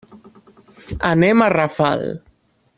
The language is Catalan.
Anem a Rafal.